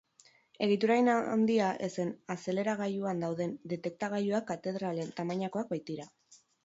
Egitura hain da handia, ezen azeleragailuan dauden detektagailuak katedralen tamainakoak baitira.